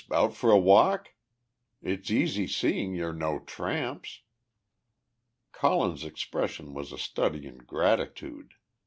out for a walk? It's easy seeing you're no tramps." Colin's expression was a study in gratitude.